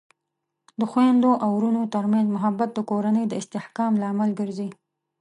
د خویندو او ورونو ترمنځ محبت د کورنۍ د استحکام لامل ګرځي.